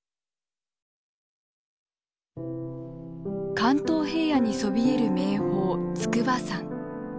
関東平野にそびえる名峰筑波山。